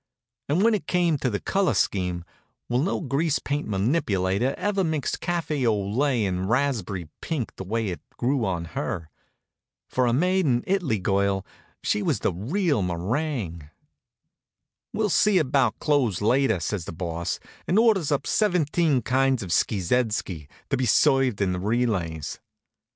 And when it came to the color scheme well, no grease paint manipulator ever mixed caffy o lay and raspb'ry pink the way it grew on her. For a made in It'ly girl she was the real meringue. "We'll see about clothes later," says the Boss, and ordered up seventeen kinds of sckeezedsky, to be served in relays.